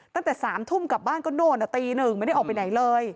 ตั้งแต่๓ทุ่มกลับบ้านก็โน่นตีหนึ่งไม่ได้ออกไปไหนเลย